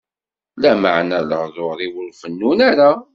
Lameɛna lehduṛ-iw ur fennun ara.